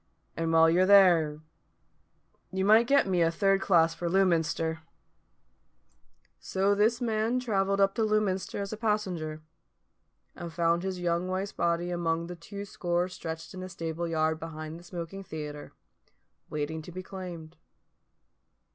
And while you're there, you might get me a third class for Lewminster." So this man travelled up to Lewminster as passenger, and found his young wife's body among the two score stretched in a stable yard behind the smoking theatre, waiting to be claimed.